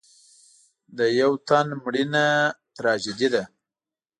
د یو تن مړینه تراژیدي ده.